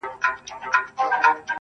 o خو دده زامي له يخه څخه رېږدي.